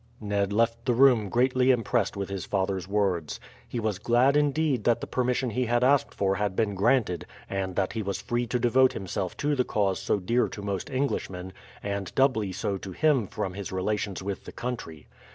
Ned left the room greatly impressed with his father's words. He was glad indeed that the permission he had asked for had been granted, and that he was free to devote himself to the cause so dear to most Englishmen, and doubly so to him from his relations with the country.